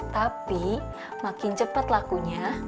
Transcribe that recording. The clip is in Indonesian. tapi makin cepat lakunya